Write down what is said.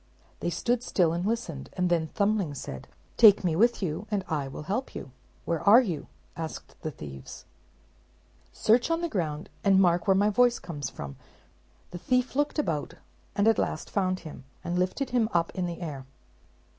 They stood still and listened; and then Thumbling said, "Take me with you, and I will help you." "Where are you?" asked the thieves. "Search on the ground, and mark where my voice comes from," replied he. The thief looked about, and at last found him; and lifted him up in the air.